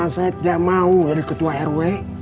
saya tidak mau jadi ketua rw